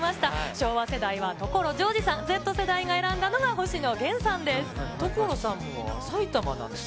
昭和世代は所ジョージさん、Ｚ世代が選んだのは、星野源さん所さんも埼玉なんですね。